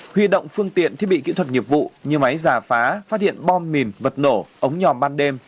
huy động phương tiện thiết bị kỹ thuật nghiệp vụ như máy giả phá phát hiện bom mìn vật nổ ống nhòm ban đêm